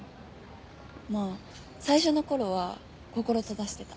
まぁ最初の頃は心閉ざしてた。